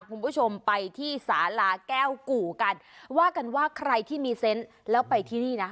คุณผู้ชมไปที่สาลาแก้วกู่กันว่ากันว่าใครที่มีเซนต์แล้วไปที่นี่นะ